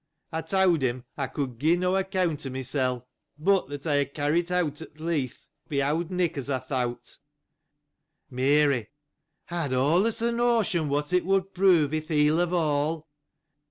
I told him I could give no account of myself; but that I was carried out of the barn by old Nick, as I thought. Mary. — I had always a notion what it would prove at the end of all.